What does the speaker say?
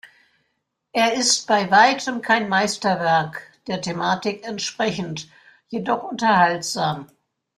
Er ist bei weitem kein Meisterwerk, der Thematik entsprechend, jedoch unterhaltsam.